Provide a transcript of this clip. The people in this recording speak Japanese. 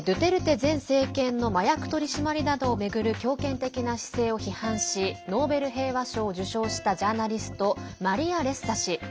前政権の麻薬取り締まりなどを巡る強権的な姿勢を批判しノーベル平和賞を受賞したジャーナリストマリア・レッサ氏。